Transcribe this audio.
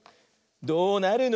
「どうなるの？